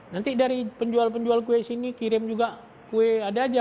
nanti dari penjual penjual kue sini kirim juga kue ada aja